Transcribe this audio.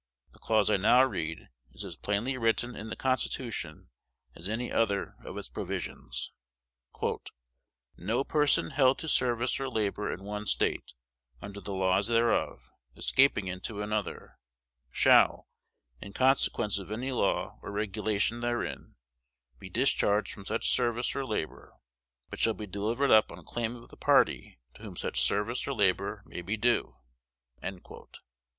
The clause I now read is as plainly written in the Constitution as any other of its provisions: "No person held to service or labor in one State under the laws thereof, escaping into another, shall, in consequence of any law or regulation therein, be discharged from such service or labor, but shall be delivered up on claim of the party to whom such service or labor may be due."